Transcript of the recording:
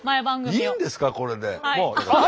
いいんですかこれで。